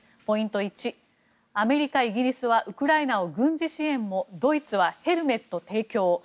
ポイント１アメリカ、イギリスはウクライナを軍事支援もドイツはヘルメット提供。